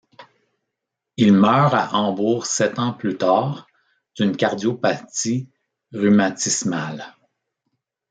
Il meurt à Hambourg sept ans plus tard, d'une cardiopathie rhumatismale.